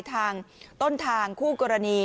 ทางต้นทางคู่กรณี